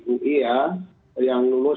ui ya yang lulus